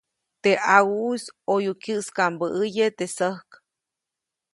Teʼ ʼawuʼis ʼoyu kyäʼskaʼmbäʼäye teʼ säjk.